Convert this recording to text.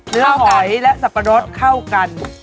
หอยและสับปะรดเข้ากัน